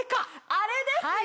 あれですよ